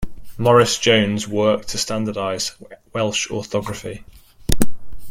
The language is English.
Morris-Jones worked to standardise Welsh orthography.